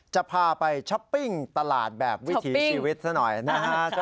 จะพาไปช้อปปิ้งตลาดแบบวิถีชีวิตซะหน่อยนะฮะ